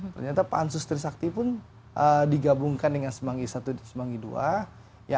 ternyata pansus trisakti pun digabungkan dengan semanggi i dan semanggi ii